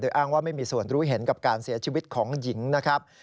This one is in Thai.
อ้างว่าไม่มีส่วนรู้เห็นกับการเสียชีวิตของหญิงนะครับ